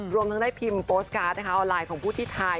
รวมทั้งได้พิมพ์โปสตการ์ดนะคะออนไลน์ของผู้ที่ทาย